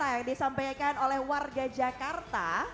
yang disampaikan oleh warga jakarta